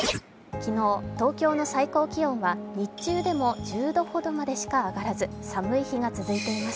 昨日、東京の最高気温は日中でも１０度ほどまでしか上がらず寒い日が続いています。